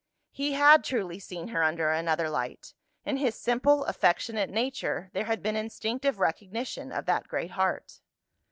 He had truly seen her under another light. In his simple affectionate nature, there had been instinctive recognition of that great heart.